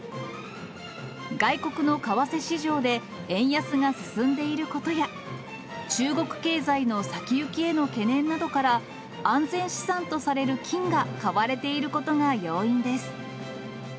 外国の為替市場で円安が進んでいることや、中国経済の先行きへの懸念などから、安全資産とされる金が買われていることが要因です。